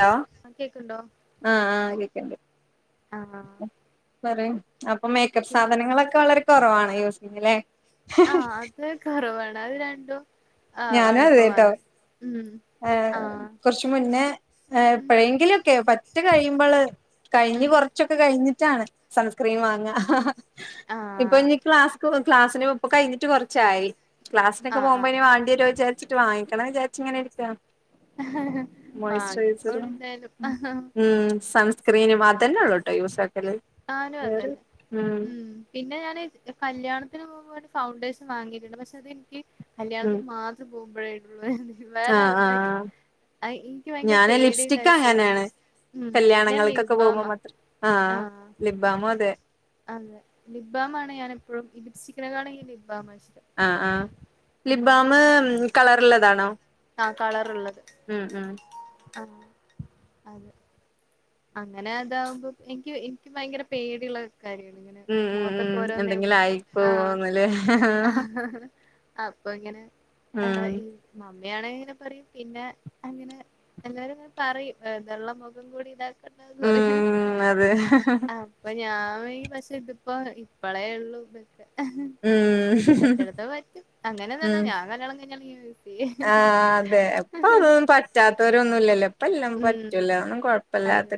Hello ആ കേക്ക്ൺണ്ടോ ആഹ് ആഹ് കേക്ക്ണ്ട് ആഹ ആഹ പറയ് അപ്പൊ മേക്കപ്പ് സാധനങ്ങളൊക്കെ വളരെ കുറവാണ് യൂസിങ്ങ്ല്ലെ ആഹ അത് കുറവാണ് അത് രണ്ടും ആ ഞാനും ആണിപ്പ അതേട്ടോ വാങ്ങി ഏഹ് ആഹ് കുറച്ച് മുന്നേ ഉം എപ്പോഴെങ്കിലൊക്കെ പറ്റെ കഴിയുമ്പോള് കഴിഞ്ഞ് ഉം കൊറച്ചൊക്കെ കഴിഞ്ഞിട്ടാണ് സൺസ്ക്രീൻ വാങ്ങ ഹ ഹ ഇപ്പൊ ആഹ് ഇനി ക്ലാസ് ക്ലാസ്സിന് ഇപ്പോ കഴിഞ്ഞിട്ട് കുറച്ചായി ക്ലാസിനൊക്കെ ആഹ് പോകുമ്പോ ഇനി വാണ്ടി വരോ വിചാരിച്ചിട് വാങ്ങിക്കണം വിചാരിച്ച ഇങ്ങനെ ആഹ് വാങ്ങിക്കോളി മൊയ്‌സ്റെയ്സറും എന്തായാലും ഹം സൺ സ്ക്രീനും അതന്നെ ഉള്ളൂട്ടോ യൂസാക്കല് ഞാനും അതെന്നെ ഉം പിന്നെ ഞാൻ കല്യാണത്തിന് പോവാൻ ഒരു ഫൗണ്ടേഷൻ വാങ്ങിയിട്ടുണ്ട് പക്ഷെ അതെനിക്ക് ഉം കല്യാണത്തിന് മാത്രം പോവുമ്പോഴേ ഇടുള്ളു വേറെ ആഹ് [unintelligible] ആഹ് ആ ഇനിക്ക് ഭയങ്കര ഞാന് പേടിയ ലിപ്സ്റ്റിക് അങ്ങനെയാണ് [unintelligible] ഉം ഞാൻ ലിപ് കല്യാണങ്ങൾക്കൊക്കെ പോകുമ്പോ ബാമാ മാത്രം ആഹ് ലിബാമും അതെ അതെ ലിബാമാണ് ഞാൻ എപ്പോഴും ഇ ലിപ് സ്റ്റിക്കിനെക്കാളും ലിപ്ബാമാ ഇഷ്ടം ആഹ് ആഹ് ആ ലിപ്ബാമ് പിന്നെ കളറുള്ളതാണോ ഉം ഉം അഹ് അതെ അങ്ങനെ അതാവുമ്പോ എനിക്ക് എനിക്ക് ഭയങ്കര പേടിയുള്ള ഇങ്ങനെ ഉം ഉം മുഖത്തൊക്കെ ഉം ഓരോന്നേ എന്തെങ്കിലും ആയിപ്പോവോന്ന്ല്ലേ ആഹ് അപ്പൊ ഇങ്ങനെ ഉം ഈ മമ്മിയാണെ ഇങ്ങനെ പറയും പിന്നെ അങ്ങനെ എല്ലാരും പറയും ഉള്ള മുഖം കൂടി ഇതാക്കരുതെന്ന് പറയും ഉം അതെ ആഹ് അപ്പൊ ഞാൻ പക്ഷെ ഇതിപ്പോ ഇപ്പളേ ഉള്ളു ഇതൊക്കെ ഉം പറ്റെടത്ത പറ്റും അങ്ങനൊന്നല്ല ഉം ഞാൻ കല്യാണം കഴിഞ്ഞാലും ചെയ്യും ആഹ് അതെ അപ്പൊ അതൊന്നും പറ്റാത്തവര ഒന്നുല്ലല്ലോ ഇപ്പ എല്ലാം ഉം പറ്റുവല്ലോ അതെ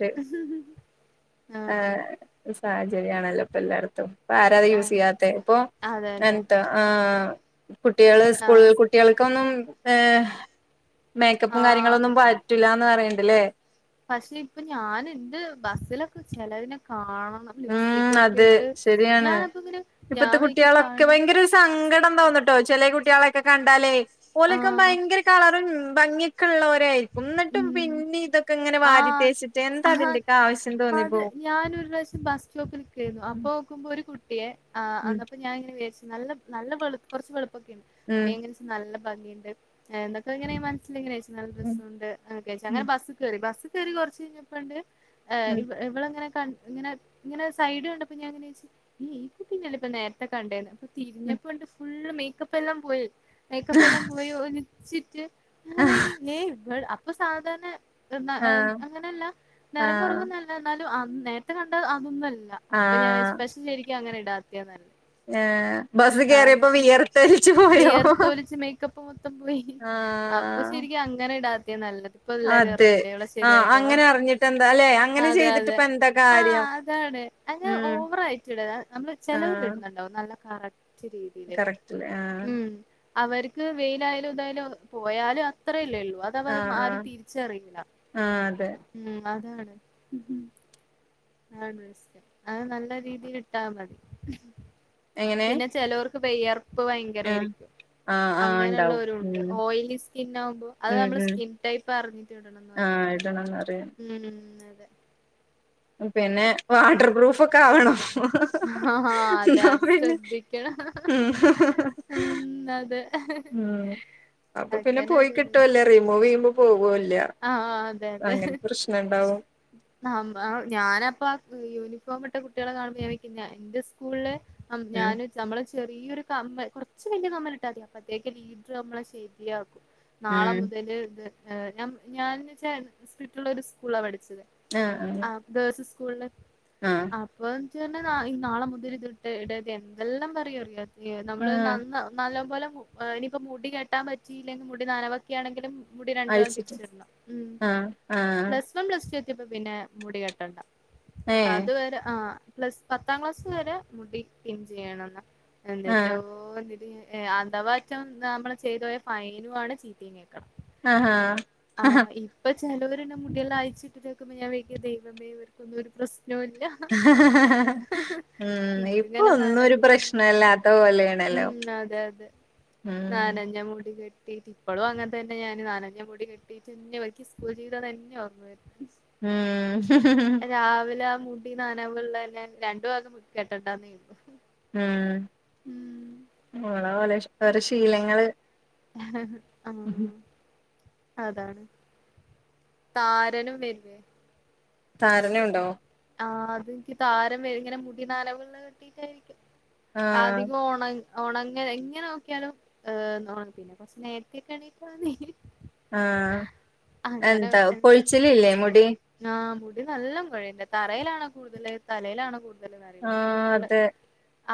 ആഹ് സാഹചര്യാണല്ലോ ഇപ്പ എല്ലായിടത്തും ഇപ്പ ആരാത് യൂസ് അതെ ചെയ്യാത്ത ഇപ്പൊ അതന്നെ എന്താ ആഹ് കുട്ടികൾ സ്കൂളില് ആഹ് കുട്ടികൾക്കൊന്നും ഏഹ് മേക്കപ്പും ആഹ് കാര്യങ്ങളൊന്നും പറ്റൂല്ലാന്ന് പറയണിണ്ടല്ലേ പക്ഷെ ഇപ്പൊ ഞാന് എന്ത് ബസ്സിലൊക്കെ ചെലതിനെ കാണണം ഉം ലിപ്സ്റ്റിക്കൊക്കെ അത് ഇട്ട് ശരിയാണ് ഞാനപ്പ ഇങ്ങനെ ഞാൻ ഇപ്പത്തെ കുട്ടികളൊക്കെ വിചാരിക്കും ഭയങ്കര ഒരു സങ്കടം തോന്നിട്ടോ ചെല കുട്ടികളൊക്കെ കണ്ടാലേ ഓലൊക്കെ ആഹ് ഭയങ്കര കളറും ഭംഗി ഒക്കെള്ളവരായിരിക്കും എന്നിട്ടും ഉം പിന്നെ ഇതൊക്കെ ഇങ്ങനെ ആഹ് വാരിത്തേച്ചിട്ട് എന്താ അതിന്റെയൊക്കെ ആവശ്യം തോന്നിയപ്പോ ഞാൻ ഒരു പ്രാവശ്യം ബസ് സ്റ്റോപ്പിൽ നിക്കാരുന്നു അപ്പൊ നോക്കുമ്പോ ഒരു കുട്ടിയെ ഉം ഞാൻ ഇങ്ങനെ വിചാരിച്ച് നല്ല നല്ല വെളുപ്പൊ കുറച്ച് ഉം വെളുപ്പോക്കേണ്ട് നല്ല ഭംഗിയുണ്ട് എന്നൊക്കെങ്ങനെ മനസ്സില് വിചാരിച്ച് ഉം ണ്ട് [unintelligible] അങ്ങനെ ബസ് കേറി ബസ് കയറി കൊർച്ച് കയ്‌ഞ്ഞപ്പണ്ട്. ഏഹ് ഉം ഉം ഇവ് ഇവളങ്ങനെ കൺ ഇങ്ങനെ. ഇങ്ങനെ സൈഡ് കണ്ടപ്പോ ഞാൻങ്ങന വിചാര്ച് ഈ കുട്ടിനല്ലേ പ്പം നേരത്തെ കണ്ടേന്ന് അപ്പം ഉം തിര്ഞ്ഞപ്പണ്ട് ഫുൾ. മേക്കപ്പല്ലാം പോയി മേക്കപ്പല്ലാം പോയി ഒലിച്ചിട്ട്. [unintelligible] അപ്പൊ സാധാരണ ആഹ് അങ്ങനെയല്ല നിറം ആഹ് കുറവൊന്നു അല്ല. എന്നാലും നേരത്തെ കണ്ട അതൊന്നു അല്ല അപ്പൊ ഞാൻ ആഹ് സ്പെഷൽ ശരിക്കും അങ്ങനെ ഇടാതെയാവും ന്നാല്. ആഹ് കാരണം വിയർത്തൊലിച്ച് മേക്കപ്പ് മൊത്തം പോയി അപ്പൊ സ് ആഹ് ശരിക്കും അങ്ങനെ ഇടാത്തെയ നല്ലത്. ഇപ്പ എല്ലാരും അതെ അറിഞ്ഞില്ലേ ഇവളെ ആഹ് ശരിയായ കളർ അങ്ങനെ അറിഞ്ഞിട്ട് എന്താ അല്ലെ അങ്ങനെ അതെ ചെയ്തിട്ട് അതെ ഇപ്പ എന്താ ആഹ് കാര്യം അതാണ്. അയിന് ഉം ഓവറായിട്ട് ഇട അമ്മള് ചെലവർ ആഹ് ഇടുന്നുണ്ടാവും നല്ല കറക് [unintelligible] രീതിയിലായിരിക്കും കറക്റ്റ്ല്ലേ ആഹ് ഉം അവര്ക്ക് വെയിലായാലും ഇതായാലും പോയാലും അത്രല്ലേള്ളൂ അ താവുമ്പോ ആഹ് ആരും ആഹ് തിരിച്ചറിയില്ല ആഹ് അതെ ഉം അതാണ്. അതാണ് രസം അത് നല്ല രീതിൽ ഇട്ടാമതി. എങ്ങനെ പിന്നെ ചിലവർക്ക് വെയ്യർപ്പ് ആഹ് ഭയങ്കരായിരിക്കും ആഹ് ആഹ് ഇണ്ടാവും അങ്ങനെയുള്ളവരുണ്ട് ഉം ഓയിലി സ്കിൻ ആവുമ്പോ അത് ഉം നമ്മൾ ഉം സ്കിൻ ടൈപ്പ് അറിഞ്ഞിട്ട് വേണം. ആഹ് ഇടണംന്ന് അറിയാം [unintelligible] ഇന്നലെ പിന്നെ വാട്ടർ പ്രൂഫ് ഒക്കെ ആവണം. ആഹ് അതെ എന്നാ അത് പിന്നെ ശ്രദ്ധിക്കണ ഉം ഉം അതെ. ഉം അപ്പൊ പിന്നെ അങ്ങനെ പോയി ഒരിത് കിട്ട്യോല്ലെ റിമൂവ് ചെയ്യുമ്പോ പോകൂല്ല്യ ആഹ് അതെ അതെ. ഞാനപ്പൊ ആഹ് യൂണിഫോം ഇട്ട കുട്ടികളെ കാണുമ്പോൾ ഞാൻ വിചാരിക്കുന്റെ സ് കൂള്ള് അം ഉം ഞാന്. നമ്മള് ചെറിയൊരു കമ്മ കൊർച്ച് വല്ല്യ കമ്മലിട്ടാ മതി അപ്പത്തേക്ക് ലീഡർ നമ്മളെ ശരിയാക്കും. നാളെ ഉം മുതല് ഞ ഞാൻന്ന് വെച്ചാ സ്ട്രിറ്റുള്ള ഒരു സ്കൂള്ള പഠിച്ചത്. ആഹ് ആഹ്. ആ ഗേൾസ് സ്കൂളില് ആഹ് ഇപ്പ [unintelligible] നാളെ മുതല് ഇതിട്ട് ഇടര്ത് എന്തെല്ലാം പറയൂ അറിയോ. ആഹ് നമ്മള് ആഹ് നന്ന നല്ല പോലെ ഇനിയിപ്പോ മുടി കേട്ടാൻ പറ്റിയില്ലെങ്കിൽ മുടി നനവൊക്കെയാണെങ്കിലും. മുടി രണ്ടുഭാഗം അഴിച്ചിട്ട് തിരിച്ചിടണം ഉം ആഹ് ആഹ് പ്ലസ്. പ്പം പ്ലസ്ടു എത്തിയപ്പോ പ പിന്നെ മുടി കെട്ടണ്ട ഏഹ് അതുവരെ ആ. പ്ലസ് പത്താം ക്ലാസ് വരെ മുടി പിൻ ചെയ്യണം എന്ന എന്തേറ്റോ ആഹ് ന്നട്ട് ഞാൻ. ഏ അധവാറ്റം നമ്മള് ചെയ്തു പോയ ഫൈനു ആണ് ചീത്തീം കേക്കണം. ആഹ് ആഹ്. ആ ഇ. ഇപ്പൊ ചേലോര് ണ്ട് മുടിയെല്ലാം അയച്ചിട്ടിക്കുമ്പോ ഞാൻ വിയാര് ക്കും ദൈവമേവർക്കൊന്നും ഒരു പ്രശ്നോ ല്ല. ഉം ഇപ്പൊ ഇതിങ്ങനെ ഒന്നും ഒരു നനഞ്ഞ മുടി പ്രശ്നല്ലാത്ത പോലെണല്ലോ. ഉം അതെ നനഞ്ഞ മുടി കെട്ടി. കിട്ടീട്ട് ഇപ്പളും അങ്ങനെ തന്നെ ഞാന് നനഞ്ഞ മുടി കെട്ടിട്ട്ന്നെ വെക്ക സ്കൂൾ ജീവിതം തന്നെ ഓർമ വരും. ഉം രാവിലെ മുടി നനവ് ള്ളെന്നെ രണ്ട് ഭാത്തും കെട്ടണ്ടാന്ന് വിചാരിക്കും. ഉം ഓള ഓലെ ഓരോ ശീലങ്ങള്. ആ ഹ് അതാണ് താരനും വര്ലെ താരനുണ്ടോ? ആ അതെനിക്ക് താരൻ വരും ങ്ങനെ മുടി നനവ്ള്ള കെട്ടിട്ടായിരിക്കും ആഹ് അധികം ഒണ ഒണങ്ങല എങ്ങനെ നോക്കിയാലും ഏ ണങ്ങത്തില്ല പിന്നെ കൊർച്ച് നേര്ത്തെക്കെ എണീറ്റാ മതി. ആഹ് എന്താ കൊഴിച്ചിലില്ലേ മുടി? ആഹ് മുടി നല്ല കൊഴിണ്ട് തറയിലാണോ കൂടുതൽ തലയിലാണോ കൂടുതൽ. ആ അതെ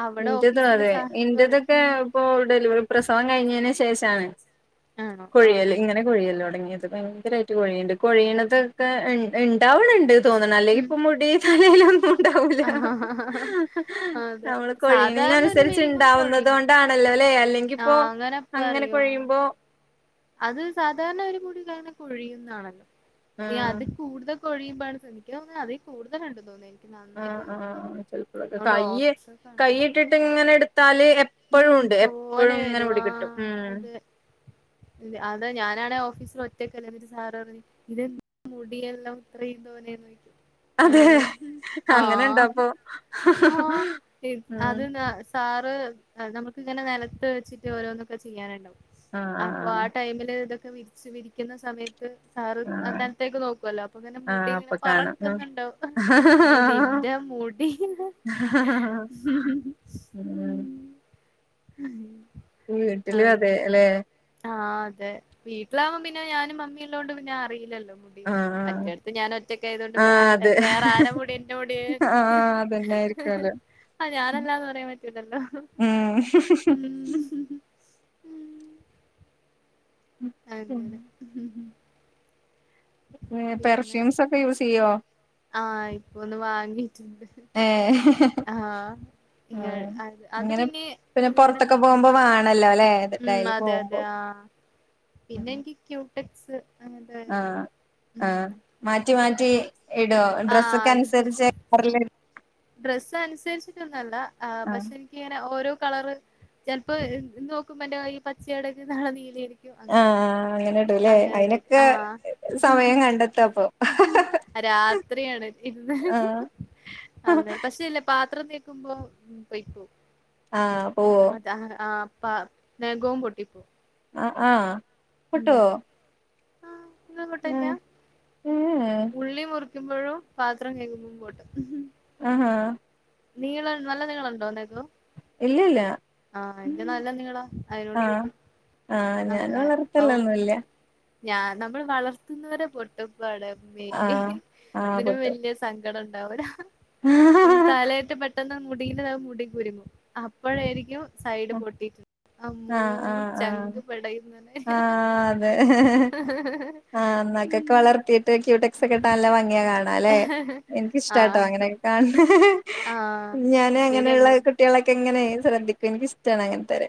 അവിടെ ഇന്റതു ഓഫീസില് അതെ സാഹബ് പറയും ഇന്റതൊക്കെ ഉം ഇപ്പൊ ഡെലിവറി പ്രസവം കഴിഞ്ഞേന് സേഷാണ് ആണോ കുഴിയല് ആഹ് ഇങ്ങനെ കൊഴിയല്ല് തൊടങ്ങിയത് ഭയങ്കരായിട്ട് കൊഴിയണ്ട് കൊഴിയണതെക്കെ ഇണ്ടാവണൊണ്ട് [unintelligible] തോന്നണെ അല്ലെ ഉം ഇപ്പം മുടി തലയിലൊന്നും ഉണ്ടാവൂല്ല ആഹ് അതെ നമ്മള് സാധാരണ ഒരു കൊഴിയണേനനുസരിച്ച് മിനിമം ഇണ്ടാവുന്നുന്നതു കൊഴിയും കൊണ്ടാണല്ലോല്ലേ അല്ലെങ്കി ഇപ്പോ ആഹ് അങ്ങനെ പറയും ആ. പൊഴിയുമ്പോ അത് സാധാരണ ഒരു മുടി കൊഴിയുന്നാണല്ലോ ഇനി ആഹ് അതിൽ കൂടുതൽ കൊഴിയുമ്പഴാണ് ശ്രദ്ധി ക്കുക എനിക്ക് തോന്നുന്നു അതി കൂടുതലൊണ്ടെന്നു തോന്നി നന്നായിട്ട് ആഹ് ഇതുണ്ട് ആഹ് അതുകൊണ്ട് [unintelligible] ഇട്ടിട്ട് ഇങ്ങനെ എടുത്താല് ഉം എപ്പോഴും ഉണ്ട് തോനെ എപ്പോഴും ഇങ്ങനെ വരും മുടി ആ കിട്ടും ഉം അതെ അതെ ഞാനാണെ ഓഫീസിൽ ഒറ്റക്കല്ലെ ന്നിട്ട് സാറ് പറഞ്ഞി ഇതെന്താ മുടിയെല്ലാം ഇത്രേം തോനേന്ന് ചോയിക്കും ഏ അതെ ആ അങ്ങനെ ഹ് ഇണ്ടപ്പൊ ഹാ എൻ ഉം അത് നാ സാറ് നമുക്കിങ്ങനെ നെലത്ത് വെച്ചിട്ട് ഓരോന്നൊക്കെ ചെയ്യാനുണ്ടാവും ആഹ് അപ്പൊ ആഹ് ആ ടൈമില് ഇതൊക്കെ വിരിച്ച് വിരിക്കുന്ന സമയത്ത് സാർ ആഹ് അതിനത്തേക്ക് നോക്കുവല്ലോ അപ്പൊ ഇങ്ങനെ മുടി ആഹ് ഇങ്ങനെ അപ്പൊ പറക്കുന്നുണ്ടാവും കാണാം നിന്റെ മുടി എഹിന്ദ് ഉം [unintelligible] വീട്ടിലും അതെ ല്ലെ ആ അതെ വീട്ടിലാവുമ്പോ പിന്നെ ഞാനും മമ്മിയുള്ളോണ്ട് പിന്നെ അറിയില്ലല്ലോ ആഹ് ആഹ് മറ്റടുത്ത് ഞാൻ ഒറ്റക്കായതുകൊണ്ട് ആഹ് അതെ വേറെ ആരാ മുടി എന്റെ മുടി അതന്നായിരിക്കും അല്ലേ ആ ഞാനല്ലാന്ന് പറയാൻ പറ്റൂല്ലല്ലോ ഉം ഉം അങ്ങനെ പിന്നെ പെർഫ്യൂംസൊക്കെ യൂസ് ചെയ്യോ ആ ഇപ്പൊ ഒന്ന് വാങ്ങീട്ടുണ്ട് ഏ ആ ഇങ്ങ അത് അത് ഇങ്ങനെ പിന്നെ ഇങ്ങനെ പൊറത്തൊക്കെ പോവുമ്പോ വാ തീരുന്നനുസരി ങ്ങല്ലോല്ലെ ഉം അതെ അതെ ആഹ്. പിന്നെ ഇൻക്ക് ക്യൂട്ടെക്സ് ആഹ് ആഹ് മാറ്റി മാറ്റി ഇടോ ആഹ് അത് ഡ്രസ്സ്ക്കൻസരിച്ച് [unintelligible] ഡ്രസ്സ് അനുസരിച്ചിട്ടൊന്നല്ല ആഹ് പക്ഷെ ക്കിങ്ങനെ ഓരോ കളറ് ചെലപ്പം ഇന്ന് നോക്കുമ്പം എന്റെ കൈ പച്ച കെടക്ക്ന്നെങ്കി നാളെ നീലയായാരി ക്കും. അങ്ങനേയിരിക്കും. ആഹ് അങ്ങനെ ഇടുല്ലേ അങ്ങനെ തായ് അയിനൊക്കെ ആഹ് സമയം കണ്ടെത്താ അപ്പൊ രാത്രിയാണ് ഇട്ണത് ആഹ് അന്നേരം പശ്ശേല്ലേ പാത്രം തേക്കുമ്പോ പൊയ്പോവും ആഹ് പോവോ അതാ ആഹ് പാ നെഖോം പൊട്ടിപ്പോവും. ആഹ് ആഹ് പൊട്ടുവോ ഉം ഇങ്ങൾത്പൊട്ടല് ല്ല?. ആഹ് ഏഹ് ഉള്ളി മുറിക്കുമ്പഴും പാത്രം കഴുകുമ്പം പൊട്ടും. ആഹാ നീളൻ നല്ല നീളണ്ടോ നെഖം ഇല്ലില്ല ആഹ് ഇന്റെ നല്ല നീളാ അയിനോട് ആഹ് പൊട്ടും ആഹ് ഞാന് അങ്ങനെ ഔ വളർത്തലൊന്നുല്ല ഞാൻ നമ്മൾ വളർത്തുന്നവരെ പൊട്ടുംമ്പാണ് മ്മേ ആഹ് ആഹ് ഇതിനും വല്യ സ ങ്കടണ്ടാവുലാ ഹാ ഹാ ഹാ തലേത്ത പെട്ടെന്ന് മുടിയില് അത് മുടി കുരുങ്ങും അപ്പഴേരിക്കും സൈഡ് പൊട്ടിട്ട് അമ്മോ ആഹ് ആഹ് ആഹ് ചങ്ക് പെടയും ന്നെനെ ആഹ് അതെ ആഹ് നഖൊക്കെ ഉം വളർത്തി ട്ട് ക്യുട്ടക്സൊക്കെ ഇട്ടാ നല്ല ഭംഗിയാ കാണാൻ ലേ. ഇൻക്കിഷ്ടാ ട്ടോ അങ്ങിനെ ആഹ് ഒക്കെ കാണ് ആഹ് ണേ ഞാനു ശരി അങ്ങനെള്ള അങ്ങ് കു ട്ടിയേളൊക്കെ ഇങ്ങനെ ശ്രദ്ധിക്കും. ഇൻക്കിഷ്ട്ടാണ് അങ്ങനത്തോരെ.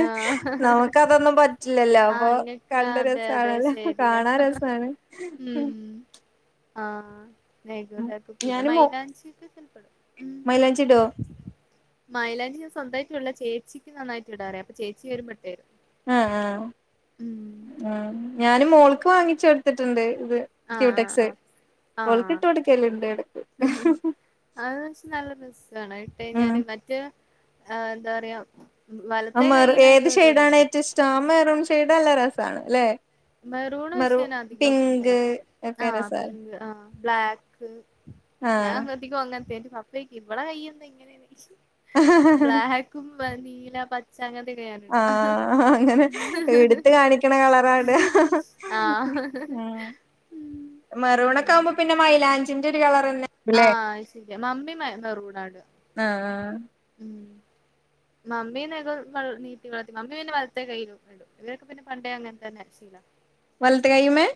ആഹ് നമുക്കതൊന്നും പ റ്റില്ലല്ലോ ആഹ് അപ്പൊ അങ്ങക്ക് കണ്ട് അതെ അതെ രസാണല്ലോ ശരിയാ കാണാൻ രസാണ്. ഉം ആഹ് നഖം താക്കും. പിന്നെ ഞാന് മോ മൈലാഞ്ചിക്കൊ ക്കെ ചെൽപ്പടും ഉം മൈലാഞ്ചി ഇടോ മൈലാഞ്ചി ഞാൻ സ്വന്തായിട്ട് ഇടൂല ചേച്ചിക്ക് നന്നായിട്ട് ഇടാറിയ അപ്പ ചേച്ചി വരുമ്പോ ഇട്ടേരും. മ്മ് ഉം ഞാന് മോൾക്ക് വാങ്ങിച്ച് കൊടുത്തിട്ടുണ്ട് ഇത് ആഹ് ക്യൂടെക്സ് ആഹ് ഓൾകിട്ട് ആഹ് കൊടുക്കലിണ്ട് എടക്ക് അതന്ന് വെച്ച നല്ല രസാണ് ഉം അതിട്ടയ്ഞ്ഞാല് മറ്റേ ഏഹ് എന്താ പറയാ ഉം വലത്തെ കയ്യിലെന്തോല് ഇതുണ്ടാവും ട്ടാ മെറൂൺ ഷേഡല്ല രസാണ് ല്ലെ മെറൂൺ പശ്ശേ ന അധികം ഇടാറില്ല ഒക്കെ ആഹ് രസാണ് പിങ്ക് ആഹ് ബ്ലാക്ക്. ഞാൻ ആഹ് ന്ന് [unintelligible] അങ്ങൻത്തെ ന്നിട്ട് പപ്പ ചോയ്ക്കും ഇവളെ കയ്യെന്താ ഇങ്ങനെ ചോയ്ക്കും. ബ്ലാ കും ഭ നീല പ ച്ച അങ്ങൻത്യൊക്കെ ആഹ് അങ്ങനെ. ഇടുത്ത് കാണിക്കണ കള റാടാ. ആഹ് ഉം. മെറൂണൊക്കാവുമ്പം പിന്നെ മൈലാഞ്ചിന്റെ ഒരു കളറന്നെ ല്ലേ ആഹ് അഹ് ശെരിയാ. മമ്മി മെ മെറൂണാ ഇടാ ആഹ് മമ്മി നഖം വ നീട്ടി വളർത്തി മമ്മി പിന്നെ വലത്തെ കയ്യിലും ഇ ഇടും. ഇവരൊക്കെ പിന്നെ പണ്ടേ അങ്ങൻ തന്നെ ശീലാ വലത്ത് കയ്യ്മ്മെ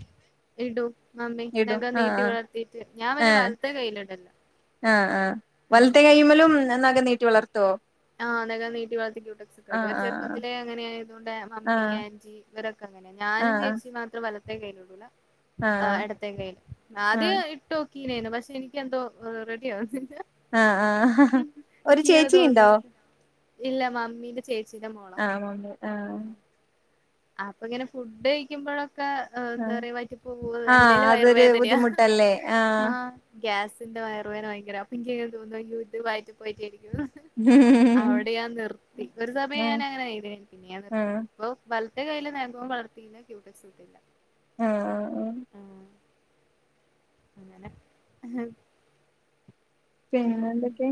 ഇടു മമ്മി നഖം നീട്ടി ആഹ് വളർത്തിയിട്ട് ഞാൻ പിനെ ഏഹ് വലത്തെ കയ്യിലാഡേല്ല ആഹ് ആഹ്, വലത്തെ കയ്യുമ്മലും നഖം നീട്ടി വളർത്തോ ആഹ് നഖം നീട്ടി വളർത്തി ക്യൂട്ടെ ക്സൊക്കെടും. അവര് ആഹ് ചെർപ്പത്തിലേ അങ്ങനെയതുകൊണ്ട് മമ്മി ആഹ് ആൻറ്റി ഇവരൊക്കെ അങ്ങനെയ ഞാനും ആഹ് ചേച്ചി മാത്രം വലത് ത്തെ കയ്യിലിടൂല. ആഹ് എടത്തെ കയ്യില്. ആഹ് ആദ്യം ഇട്ടോ കീലേന്ന്. പക്ഷെ എനിക്കെന്തോ റെഡിയാവുന്നില്ല ആഹ് ആഹ് ഒരു ചേച്ചി ഇണ്ടോ തോന്നാ ഇല്ല മമ്മീന്റെ ചേച്ചിടെ മോളാ ആണ്ട് ആഹ് അപ്പൊങ്ങനെ ഫുഡ് കഴിക്കുമ്പോഴൊക്കെ ആ എന്താ ആഹ് പറയ വയ്റ്റിപോവോ, ആഹ് അല്ലേലെ അതൊരു വയറുവേദനയാ ബുദ്ധിമുട്ടല്ലേ ആഹ് ഗ്യാസിന്റെ വയർവേന ഭയങ്കര അപ്പൻക്കിങ്ങനെ തോന്നും. അയ്യോ ത് വയിറ്റി പോയിട്ടായിരിക്കും ഉം അവിടെ ഞാൻ നിർത്തി. ഒരു സമയം ആഹ് ഞാൻ അങ്ങനെ ആയത് പിന്നെ ഞാൻ നിർത്തി ആഹ് വൽത്തെ കയ്യില് നെഖവും വളർത്തിയില്ല ക്യൂട്ടക്സൂട്ടില്ല ആഹ് ആഹ് ആഹ് അങ്ങനെ ഉം പിന്നെന്തൊക്കെ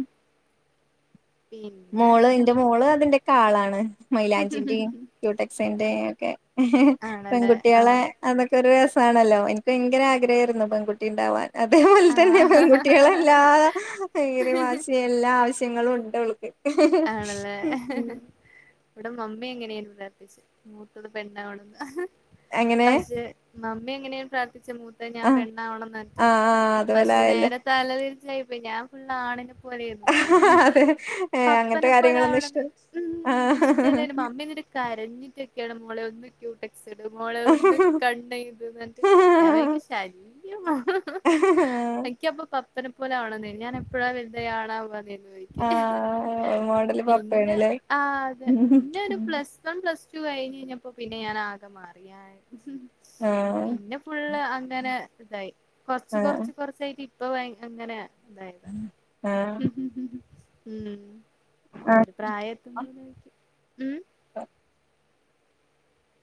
പിന്നെ മോള് ന്റെ മോള് അതിന്റെക്കാളാണ്. മൈലാഞ്ചിന്റിം ക്യൂടെക്സിന്റെ ഒക്കെ ആണല്ലേ പെൺകുട്ട്യാളെ ആഹ് അതൊക്കെ ഒരു രസാണല്ലോ. എനിക്ക് ഭയങ്കര ആഗ്രഹേര്ന്നു പെൺകുട്ടി ണ്ടാവാൻ അതേപോലെ തന്നെ പെൺകുട്ടികളെല്ലാ ആഹ് റി മാശിയ എല്ലാ ആവശ്യങ്ങളുണ്ടോൾക്ക് ആണല്ലേ ഇവിടെ മമ്മി അങ്ങനേന്നു പ്രാർത്ഥിച്ചേ. മൂത്തത് പെണ്ണാകണന്ന് അങ്ങനെ പക്ഷേ മമ്മി അങ്ങനെയ പ്രാർത്ഥിച്ച മൂത്ത ഞാൻ ആഹ് പെണ്ണാവണംന്നറ്റേ ആഹ് ആഹ് അതുപോലെ പക്ഷെ ആയല്ലോ നേരെ തലതിരിച്ചായിപോയി, ഞാൻ ഫുള്ള് ആണിനെ പോലെരുന്നു പോലും പണ്ട് ഹ പപ്പനെ പോലെ ആവണംന്നേനി. ഉം ക്കിഷ്ട്ടല്ലെന്നു മമ്മി എന്നെട് കരഞ്ഞിട്ടൊക്കേണ് മോളെ ഒന്ന് ക്യൂട്ടെ സുടു മോള് ഒന്ന് കണ്ണെഴുതും ന്നിട്ട് ഞാൻ ആഹ് വിചാക്കും ശല്യമാ എനിക്കപ്പൊ പപ്പനെ പോലെ ആവണം ഞാൻ എപ്പോഴാ വരുന്നേ ആണാ ആവാ പറഞ്ഞിരിക്കെ ആഹ് പിന്നെ പപ്പയാണല്ലേ ആ അതെ പിന്നൊരു ഉം പ്ലസ് വൺ പ്ലസ് ടു കഴിഞ്ഞ് കഴിഞ്ഞപ്പോ പിന്നെ ഞാൻ ആകെ മാറി. ഞാൻ ആഹ് പിന്നെ ഫുള്ള് അങ്ങനെ ഇതായി കൊർച്ച് ആഹ് കൊർച്ച് കൊർച്ചായിട്ട് ഇപ്പ വൈ അങ്ങനെ ഇതായ്താ ആഹ് ഉം അത് ആഹ് പ്രായത്തിന്റെ ഉം